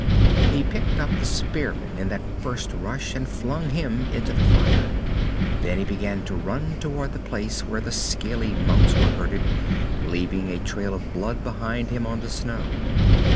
He picked up the spearman in that first rush and flung him into the fire. Then he began to run toward the place where the scaly mounts were herded, leaving a trail of blood behind him on the snow.